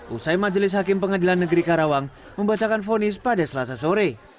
usai majelis hakim pengadilan negeri karawang membacakan fonis pada selasa sore